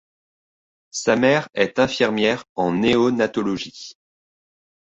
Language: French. Sa mère est infirmière en néonatologie.